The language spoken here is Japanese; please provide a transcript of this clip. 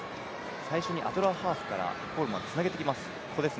最初にアドラーハーフからコールマン、つなげてきます。